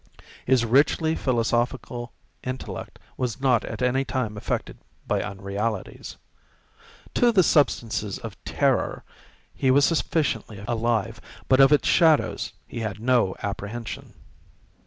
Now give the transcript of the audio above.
His richly philosophical intellect was not at any time affected by unrealities. To the substances of terror he was sufficiently alive, but of its shadows he had no apprehension.